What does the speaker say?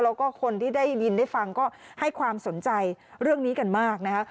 แล้วก็คนที่ได้ยินได้ฟังก็ให้ความสนใจเรื่องนี้กันมากนะคะ